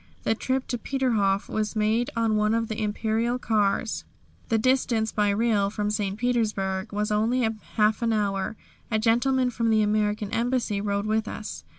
The trip to Peterhof was made on one of the Imperial cars. The distance by rail from St. Petersburg was only half an hour. A gentleman from the American Embassy rode with us.